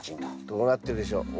どうなってるでしょう？